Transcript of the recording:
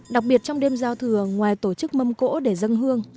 đặc biệt trong đêm giao thừa ngoài tổ chức mâm cỗ để dân hương